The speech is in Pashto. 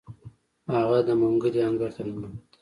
هغه د منګلي انګړ ته ننوت.